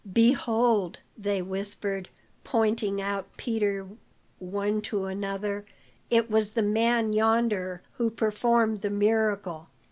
"Behold!" they whispered, pointing out Peter one to another, "It was the man yonder who performed the miracle.